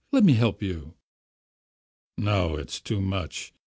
Let me help you.' No, it's too much!